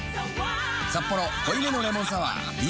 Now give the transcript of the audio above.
「サッポロ濃いめのレモンサワー」リニューアル